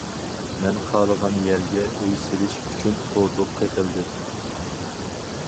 مەن خالىغان يەرگە ئۆي سېلىش ئۈچۈن قوزۇق قېقىلدى.